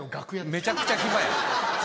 めちゃくちゃ暇や。